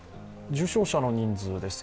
重症者の人数です。